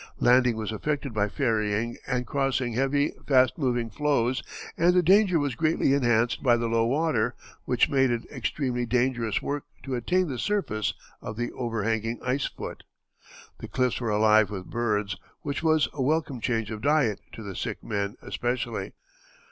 Landing was effected by ferrying and crossing heavy, fast moving floes, and the danger was greatly enhanced by the low water, which made it extremely dangerous work to attain the surface of the overhanging ice foot. The cliffs were alive with birds, which was a welcome change of diet, to the sick men especially.